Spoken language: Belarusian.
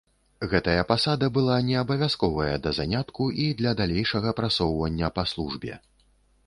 Гэтая пасада была не абавязковая да занятку і для далейшага прасоўвання па службе.